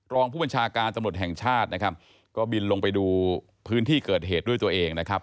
รองผู้บัญชาการตำรวจแห่งชาตินะครับก็บินลงไปดูพื้นที่เกิดเหตุด้วยตัวเองนะครับ